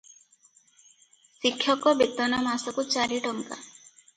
ଶିକ୍ଷକ ବେତନ ମାସକୁ ଚାରି ଟଙ୍କା ।